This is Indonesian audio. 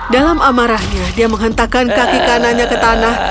dalam amarahnya dia menghentakkan kaki kanannya ke tanah